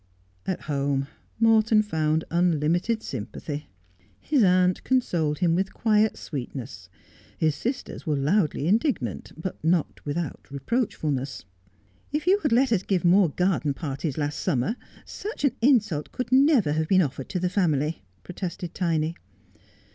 At home Morton found unlimited sympathy. His aunt consoled him with quiet sweetness ; his sisters were loudly indig nant, but not without reproachfulness. ' If you had let us give more garden parties last summer, such an insult could never have been offered to the family,' protested Tiny.